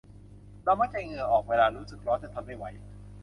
เรามักจะเหงื่อออกเวลารู้สึกร้อนจนทนไม่ไหว